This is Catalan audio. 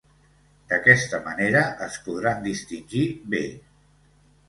D'aquesta manera es podran distingir bé.